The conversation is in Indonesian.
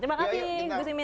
terima kasih gus imin